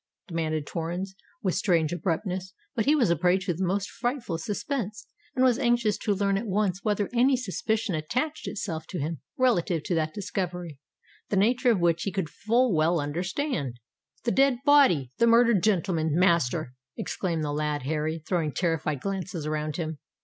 demanded Torrens, with strange abruptness: but he was a prey to the most frightful suspense, and was anxious to learn at once whether any suspicion attached itself to him relative to that discovery, the nature of which he could full well understand. "The dead body—the murdered gentleman, master!" exclaimed the lad Harry, throwing terrified glances around him.